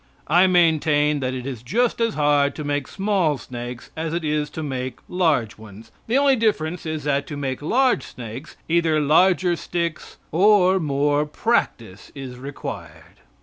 I maintain that it is just as hard to make small snakes as it is to make large ones; the only difference is that to make large snakes either larger sticks or more practice is required.